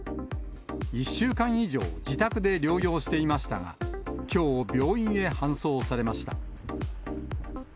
１週間以上、自宅で療養していましたが、きょう病院へ搬送されました。